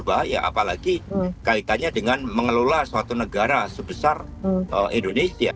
berbahaya apalagi kaitannya dengan mengelola suatu negara sebesar indonesia